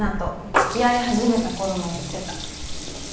付き合い始めたころも言ってた。